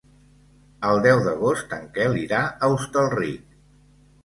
El deu d'agost en Quel irà a Hostalric.